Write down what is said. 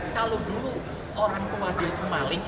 kalau dulu orang kewajil itu maling